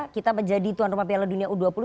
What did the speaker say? kita menjadi tuan rumah piala dunia u dua puluh